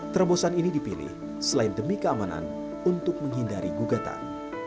terobosan ini dipilih selain demi keamanan untuk menghindari gugatan